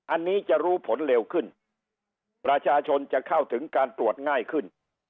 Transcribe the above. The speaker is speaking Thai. อันนี้จะรู้ผลเร็วขึ้นประชาชนจะเข้าถึงการตรวจง่ายขึ้น